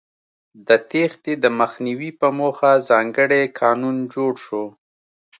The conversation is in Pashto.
د تېښتې د مخنیوي په موخه ځانګړی قانون جوړ شو.